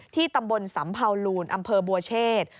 ตำบลสำเภาลูนอำเภอบัวเชษ